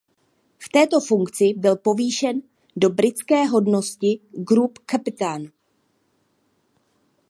V této funkci byl povýšen do britské hodnosti Group Captain.